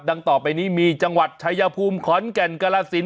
ต่อไปนี้มีจังหวัดชายภูมิขอนแก่นกาลสิน